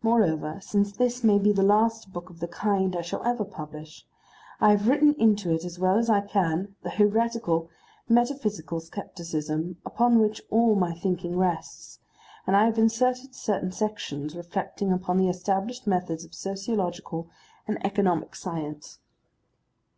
Moreover, since this may be the last book of the kind I shall ever publish, I have written into it as well as I can the heretical metaphysical scepticism upon which all my thinking rests, and I have inserted certain sections reflecting upon the established methods of sociological and economic science....